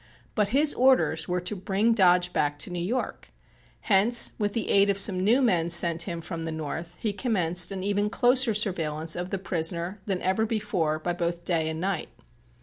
But his orders were to bring Dodge back to New York. Hence, with the aid of some new men sent him from the North, he commenced an even closer surveillance of the prisoner than ever before by both day and night.